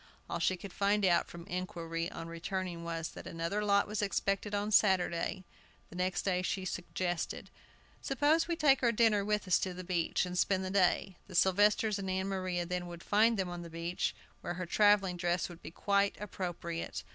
All she could find out, from inquiry, on returning, was, "that another lot was expected on Saturday." The next day she suggested: "Suppose we take our dinner with us to the beach, and spend the day." The Sylvesters and Ann Maria then would find them on the beach, where her travelling dress would be quite appropriate.